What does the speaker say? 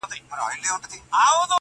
چي شریک یې په قدرت سي په ښکارونو؛